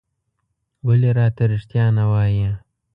ولې راته رېښتيا نه وايې؟